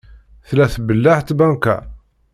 Tella tbelleɛ tbanka?